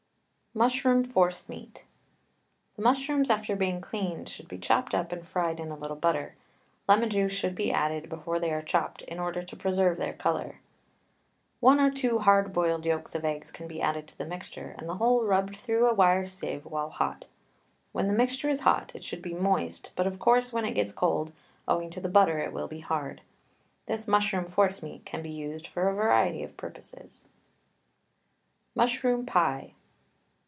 MUSHROOM FORCEMEAT. The mushrooms after being cleaned should be chopped up and fried in a little butter; lemon juice should be added before they are chopped in order to preserve their colour. One or two hard boiled yolks of eggs can be added to the mixture, and the whole rubbed through a wire sieve while hot. When the mixture is hot it should be moist, but, of course, when it gets cold, owing to the butter it will be hard. This mushroom forcemeat can be used for a variety of purposes. MUSHROOM PIE.